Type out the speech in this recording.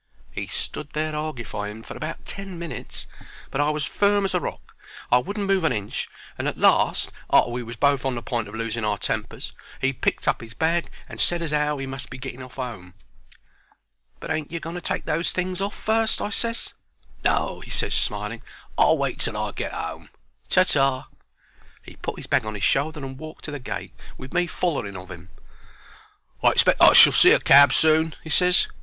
He stood there argufying for about ten minutes; but I was as firm as a rock. I wouldn't move an inch, and at last, arter we was both on the point of losing our tempers, he picked up his bag and said as 'ow he must be getting off 'ome. "But ain't you going to take those things off fust?" I ses. "No," he ses, smiling. "I'll wait till I get 'ome. Ta ta." He put 'is bag on 'is shoulder and walked to the gate, with me follering of 'im. "I expect I shall see a cab soon," he ses.